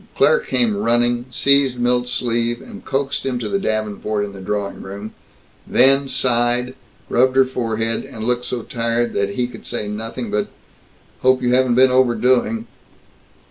Claire came running, seized Milt's sleeve, coaxed him to the davenport in the drawing room then sighed, and rubbed her forehead, and looked so tired that he could say nothing but, "Hope you haven't been overdoing."